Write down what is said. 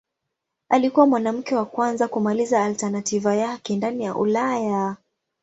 Alikuwa mwanamke wa kwanza kumaliza alternativa yake ndani ya Ulaya.